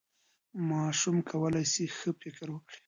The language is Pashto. ماشوم کولی سي ښه فکر وکړي.